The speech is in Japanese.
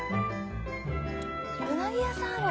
うなぎ屋さんある。